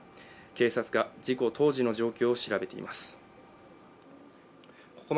警察が事故当時の状況を調べています。